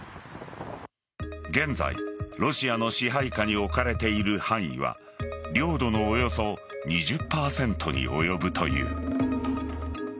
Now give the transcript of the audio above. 現在、ロシアの支配下に置かれている範囲は領土のおよそ２０％に及ぶという。